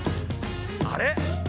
あれ？